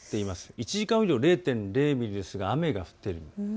１時間雨量０．０ですが雨が降っています。